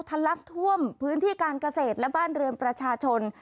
ลักท่วมพื้นที่การเกษตรและบ้านเรือนประชาชน